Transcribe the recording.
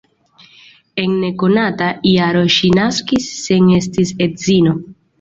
En nekonata jaro ŝi naskis sen esti edzino.